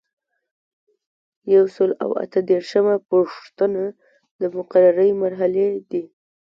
یو سل او اته دیرشمه پوښتنه د مقررې مرحلې دي.